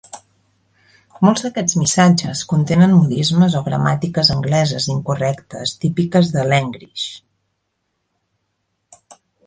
Molts d'aquests missatges contenen modismes o gramàtiques angleses incorrectes típiques de "l'Engrish".